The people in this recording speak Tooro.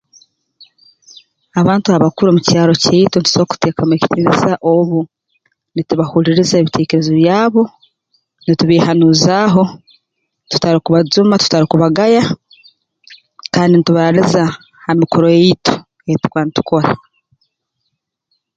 Abantu abakuru omu kyaro kyaitu tusobora kuteekamu ekitiinisa obu nitubahuliiriza ebiteekerezo byabo nitubeehaanuuzaaho tutarukubajuma tutarukubagaya kandi ntubaraaliza ha mikoro yaitu ei tuba ntukora